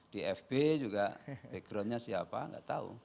di fb juga backgroundnya siapa nggak tahu